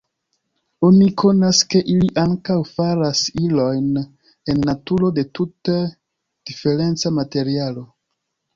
Oni konas, ke ili ankaŭ faras ilojn en naturo de tute diferenca materialo.